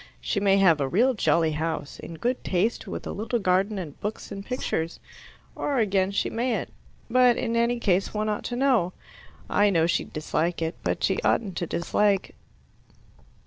She may have a real jolly house, in good taste, with a little garden and books, and pictures. Or, again, she mayn't. But in any case one ought to know. I know she'd dislike it, but she oughtn't to dislike.